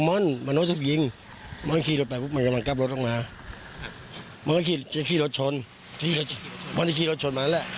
เพราะรูปโทมันใหม่นะคือว่ารถรถนี่มันขี้อะ